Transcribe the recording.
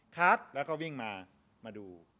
แล้วก็วิ่งมามาดู